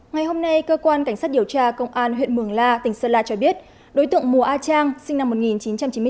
ngày hôm nay cơ quan cảnh sát điều tra công an huyện mường la tỉnh sơn la cho biết đối tượng mùa a trang sinh năm một nghìn chín trăm chín mươi chín